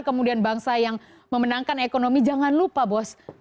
kemudian bangsa yang memenangkan ekonomi jangan lupa bos